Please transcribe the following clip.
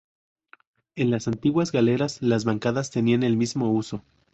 En las antiguas galeras las bancadas tenían el mismo uso.